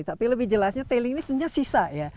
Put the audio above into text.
tapi lebih jelasnya tailing ini sebenarnya sisa ya